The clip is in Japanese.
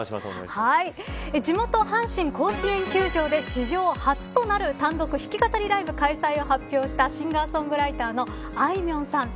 地元、阪神甲子園球場で史上初となる単独弾き語りライブを発表したシンガー・ソングライターのあいみょんさん。